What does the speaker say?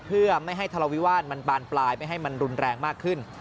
เพื่อไม่ให้ทะเลาวิวาสมันบานปลายไม่ให้มันรุนแรงมากขึ้น